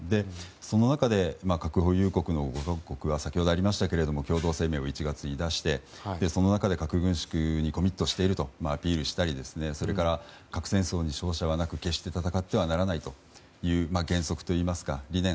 その中で核保有国の５か国が先ほどありましたけど共同声明を１月に出してその中で核軍縮にコミットしているとアピールしたりそれから、核戦争に勝者はなく決して戦ってはならないという原則といいますか理念